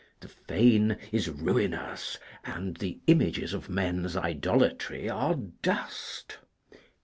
The fane is ruinous, and the images of men's idolatry are dust.